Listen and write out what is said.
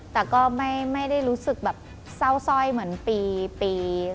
แต่ก็ไม่ได้รู้สึกแบบเศร้าซ่อยเหมือนปี